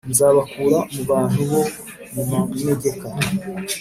Nzabakura mu bantu bo mumanegek